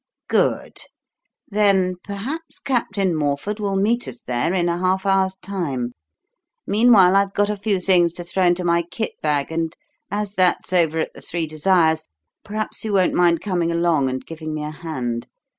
"Good! Then perhaps Captain Morford will meet us there in a half hour's time. Meanwhile, I've got a few things to throw into my kit bag, and as that's over at the Three Desires, perhaps you won't mind coming along and giving me a hand.